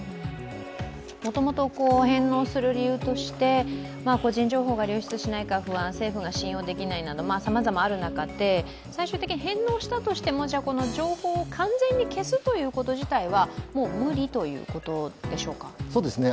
もともと返納する理由として個人情報が流出しないか不安、政府が信用できないなどさまざまある中で最終的に返納したとしても、情報を完全に消すということ自体はもう無理ということでしょうか？